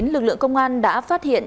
lực lượng công an đã phát hiện